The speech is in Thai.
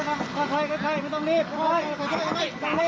ค่อยค่อยค่อยค่อยไม่ต้องรีบไม่ต้องรีบ